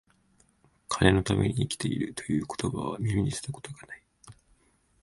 金のために生きている、という言葉は、耳にした事が無い